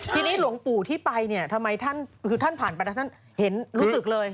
ทีนี้หลวงปู่ที่ไปเนี่ยทำไมท่านคือท่านผ่านไปแล้วท่านเห็นรู้สึกเลย